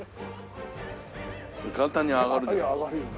簡単に上がるね。